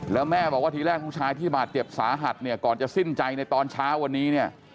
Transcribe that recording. แล้วแม่บอกว่าทีแรกผู้ชายที่บาดเจ็บสาหัสเนี่ยก่อนจะสิ้นใจในตอนเช้าวันนี้เนี่ย